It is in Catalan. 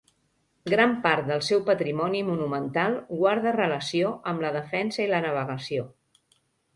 Gran part del seu patrimoni monumental guarda relació amb la defensa i la navegació.